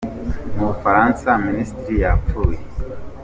Mubufaransa Minisitiri yapfuye